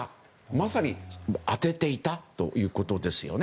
まさに当てていたということですね。